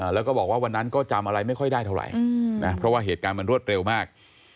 แล้วก็บอกว่าวันนั้นก็จำอะไรไม่ค่อยได้เท่าไหร่นะเพราะว่าเหตุการณ์มันรวดเร็วมาก